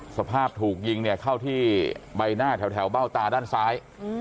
สภาพถูกยิงเนี่ยเข้าที่ใบหน้าแถวเบ้าตาด้านซ้าย